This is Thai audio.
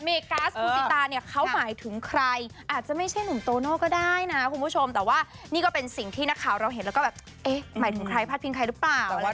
กัสคุณสิตาเนี่ยเขาหมายถึงใครอาจจะไม่ใช่หนุ่มโตโน่ก็ได้นะคุณผู้ชมแต่ว่านี่ก็เป็นสิ่งที่นักข่าวเราเห็นแล้วก็แบบเอ๊ะหมายถึงใครพาดพิงใครหรือเปล่า